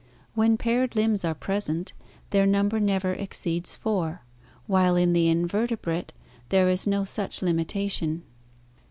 When paired limbs are present, their number never exceeds four, while in the invertebrate there is no such limitation.